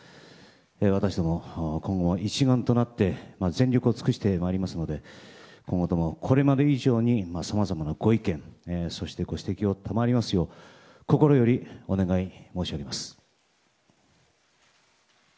私ども、今後一丸となって全力を尽くしてまいりますので今後とも、これまで以上にさまざまなご意見そしてご指摘を賜りますよう心よりお願い申し上げます。